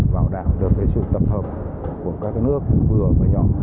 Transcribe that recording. và đảm được sự tập hợp của các nước vừa và nhỏ